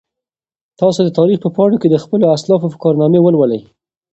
تاسو د تاریخ په پاڼو کې د خپلو اسلافو کارنامې ولولئ.